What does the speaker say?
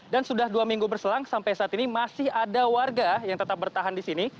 dan sudah dua minggu berselang sampai saat ini masih ada warga yang tetap bertahan di sini